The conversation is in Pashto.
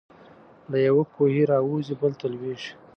له یوه کوهي را وزي بل ته لوېږي.